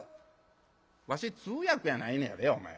「わし通訳やないのやでお前。